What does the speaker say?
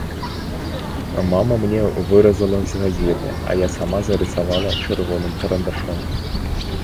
Мама мне выразала з газеты, а я сама зарысавала чырвоным карандашом.